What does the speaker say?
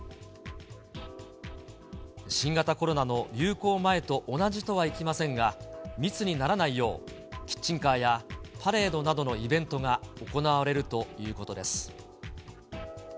新型コロナの流行前と同じとはいきませんが、密にならないよう、キッチンカーやパレードなどのイベントが行われるということです。